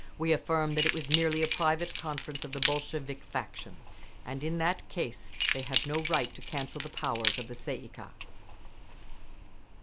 We affirm that it was merely a private conference of the Bolshevik faction! And in that case, they have no right to cancel the powers of the Tsay ee kah….